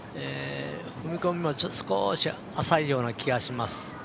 踏み込みも少し浅いような気がします。